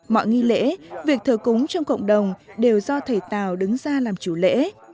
mọi nghi lễ việc thờ cúng trong cộng đồng đều do thầy tào đứng ra làm chủ lễ